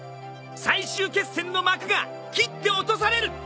最終決戦の幕が切って落とされる！